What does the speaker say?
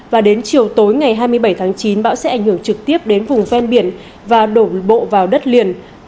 và đến chiều tối ngày hai mươi bảy tháng chín bão sẽ ảnh hưởng trực tiếp đến vùng ven biển và đổ bộ vào đất liền